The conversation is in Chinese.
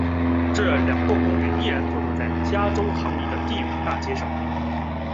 这两栋公寓依然坐落在加州唐尼的第五大街上。